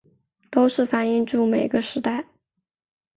都是反映著每个时代